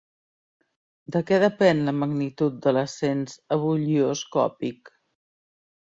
De què depèn la magnitud de l'ascens ebullioscòpic?